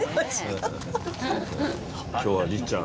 今日は律ちゃん